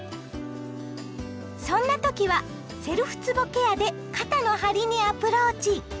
そんな時はセルフつぼケアで肩の張りにアプローチ！